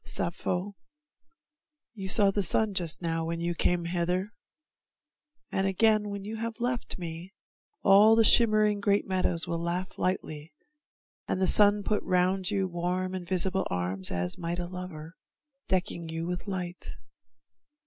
Sappho, you saw the sun Just now when you came hither, and again, When you have left me, all the shimmering Great meadows will laugh lightly, and the sun Put round about you warm invisible arms As might a lover, decking you with light.